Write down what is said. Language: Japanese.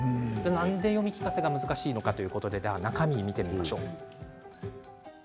なんで読み聞かせが難しいのか中身を見てみましょう。